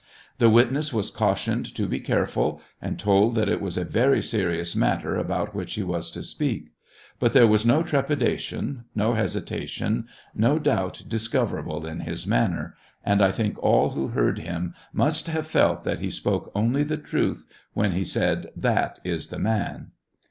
The witness was cautioned to be careful, and told that it was a very serious matter about which he was to speak ; but there was no trepidation, no hesitation, no doubt dis coverable in his manner, and I think all who heard him must have felt that he spoke only the truth when he said, " that is the man."